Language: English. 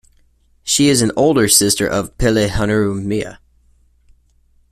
She is an older sister of Pele-honua-mea.